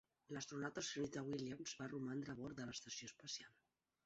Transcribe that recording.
L'astronauta Sunita Williams va romandre a bord de l'estació espacial.